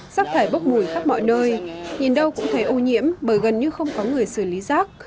rác thải bốc mùi khắp mọi nơi nhìn đâu cũng thấy ô nhiễm bởi gần như không có người xử lý rác